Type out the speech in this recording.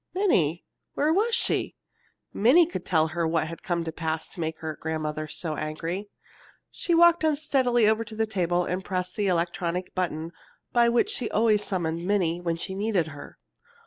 Minnie: where was she? Minnie could tell her what had come to pass to make her grandmother so angry. She walked unsteadily over to the table and pressed the electric button by which she always summoned Minnie when she needed her.